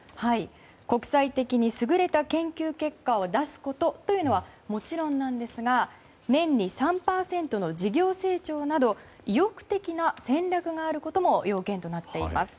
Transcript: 国際的に優れた研究結果を出すことというのはもちろんなんですが年に３％の事業成長など意欲的な戦略があることも要件となっています。